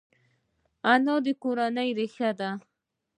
انا د کورنۍ ریښه ده